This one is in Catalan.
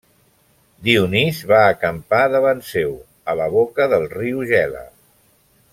Dionís va acampar davant seu, a la boca del riu Gela.